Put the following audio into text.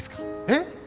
えっ？